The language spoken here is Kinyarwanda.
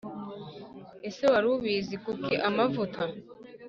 Ese wari ubizi Kuki amavuta